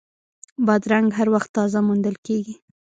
بادرنګ هر وخت تازه موندل کېږي.